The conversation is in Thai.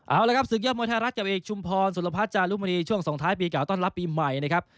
เอาละครับศึกยอดมวยไทยรัฐกับเอกชุมพรสุรพัฒน์จารุมณีช่วงส่งท้ายปีเก่าต้อนรับปีใหม่นะครับ